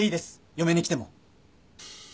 嫁に来ても。